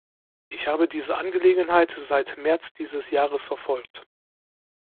Ich habe diese Angelegenheit seit März dieses Jahres verfolgt.